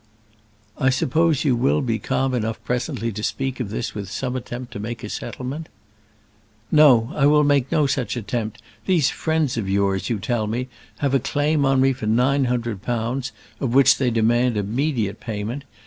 "I suppose you will be calm enough presently to speak of this with some attempt to make a settlement?" "No; I will make no such attempt. These friends of yours, you tell me, have a claim on me for nine hundred pounds, of which they demand immediate payment.